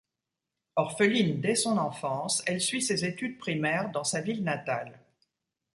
Orpheline dès son enfance, elle suit ses études primaires dans sa ville natale.